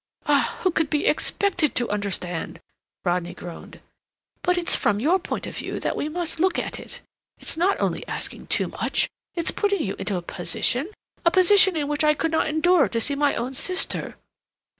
"Ah, who could be expected to understand?" Rodney groaned; "but it's from your point of view that we must look at it. It's not only asking too much, it's putting you into a position—a position in which I could not endure to see my own sister."